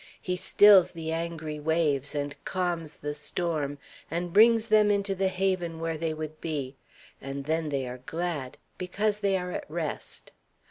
He stills the angry waves, and calms the storm, and brings them into the haven where they would be; and then they are glad, because they are at rest.